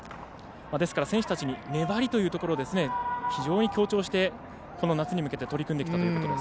ですから、選手たちに粘りというところを非常に強調してこの夏に向けて取り組んできたということです。